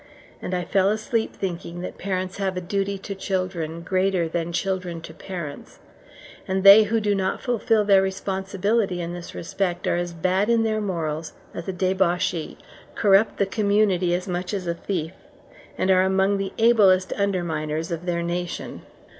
And I fell asleep thinking that parents have a duty to children greater than children to parents, and they who do not fulfil their responsibility in this respect are as bad in their morals as a debauchee, corrupt the community as much as a thief, and are among the ablest underminers of their nation.